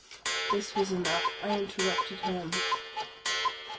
This was enough. I interrupted her.